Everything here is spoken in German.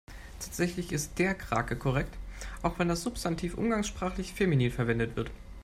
Tatsächlich ist der Krake korrekt, auch wenn das Substantiv umgangssprachlich feminin verwendet wird.